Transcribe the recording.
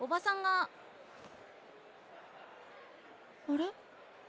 あれ？